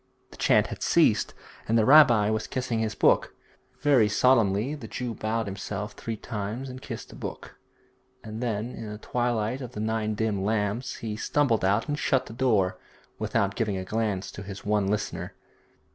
The chant had ceased, and the rabbi was kissing his book. Very solemnly the Jew bowed himself three times and kissed the book, and then in the twilight of the nine dim lamps he stumbled out and shut the door, without giving a glance to his one listener.